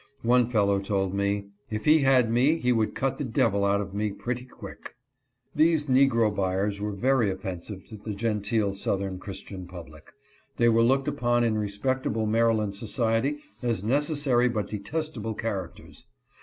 One fellow told me, "if he had me he would cut the devil out of me pretty quick." These negro buyers were very offensive to the genteel southern Christian public. They were looked upon in respectable Maryland society as necessary but detesta ble characters.